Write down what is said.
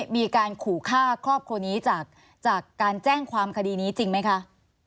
มีการขู่ฆ่าครอบครัวนี้จากการแจ้งความคดีนี้จริงไหมคะ